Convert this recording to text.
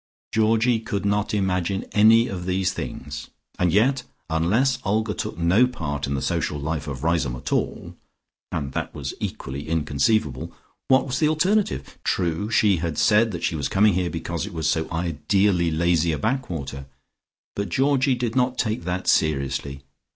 Georgie could not imagine any of these things, and yet, unless Olga took no part in the social life of Riseholme at all (and that was equally inconceivable) what was the alternative? True, she had said that she was coming here because it was so ideally lazy a backwater, but Georgie did not take that seriously.